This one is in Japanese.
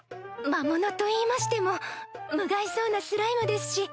魔物といいましても無害そうなスライムですし。